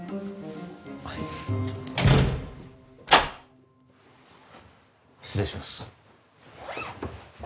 はい失礼します